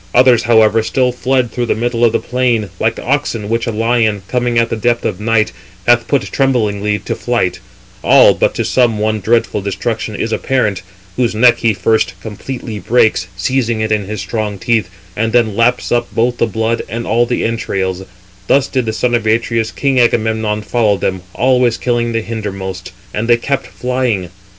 Others, however, still fled through the middle of the plain, like oxen which a lion, coming at the depth of night, hath put tremblingly to flight—all, but to some one dreadful destruction is apparent; whose neck he first completely breaks, seizing it in his strong teeth; and then laps up both the blood and all the entrails: thus did the son of Atreus, king Agamemnon, follow them, always killing the hindermost; and they kept flying.